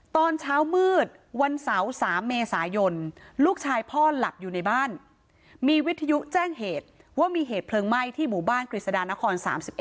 ตอนเช้ามืดวันเสาร์๓เมษายนลูกชายพ่อหลับอยู่ในบ้านมีวิทยุแจ้งเหตุว่ามีเหตุเพลิงไหม้ที่หมู่บ้านกฤษฎานคร๓๑